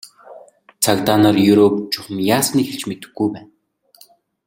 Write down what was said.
Цагдаа нар Ерөөг чухам яасныг хэлж мэдэхгүй байна.